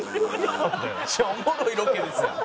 めっちゃおもろいロケですやん。